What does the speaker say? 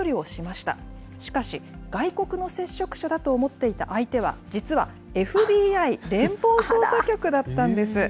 しかし、外国の接触者だと思っていた相手は、実はＦＢＩ・連邦捜査局だったんです。